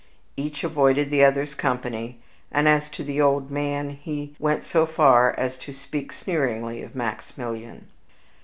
Each avoided the other's company and as to the old man, he went so far as to speak sneeringly of Maximilian.